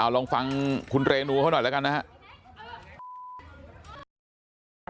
ลองฟังคุณเรนูเขาหน่อยแล้วกันนะครับ